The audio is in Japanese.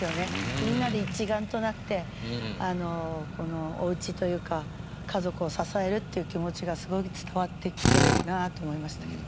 みんなで一丸となってこのお家というか家族を支えるっていう気持ちがすごく伝わってくるなと思いましたけど。